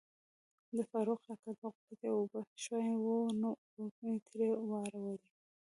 د فاروق کاکا دغو پټی اوبه شوای وو نو اوبه می تري واړولي.